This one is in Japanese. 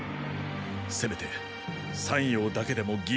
せめて山陽だけでも魏の元へ。